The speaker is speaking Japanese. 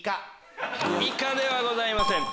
イカではございません。